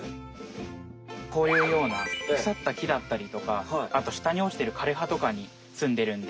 こういうようなくさった木だったりとかあとしたに落ちてるかれ葉とかにすんでるんで。